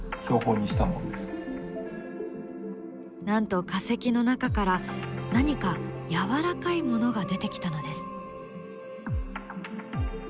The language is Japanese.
なんと化石の中から何かやわらかいものが出てきたのです。